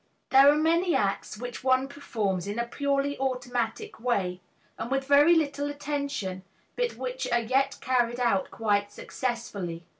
There are many acts which one performs in a purely automatic way and with very little attention, but which are yet carried out quite successfully.